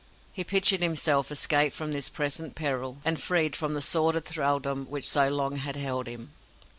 He pictured himself escaped from this present peril, and freed from the sordid thraldom which so long had held him.